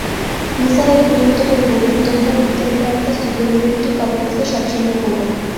নিসার আলি বিরক্ত হয়ে বললেন, তোমরা বিজ্ঞানীরা একটা সুপিরয়রিটি কমপ্লেক্সে সব সময় ভোগ।